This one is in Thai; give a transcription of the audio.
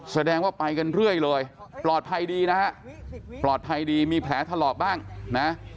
แสดงว่าไปกันเรื่อยเลยปลอดภัยดีนะฮะปลอดภัยดีมีแผลถลอกบ้างนะ